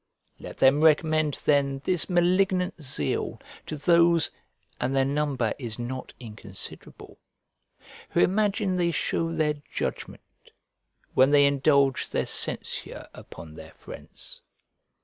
Let them recommend then this malignant zeal to those (and their number is not inconsiderable) who imagine they show their judgment when they indulge their censure upon their friends.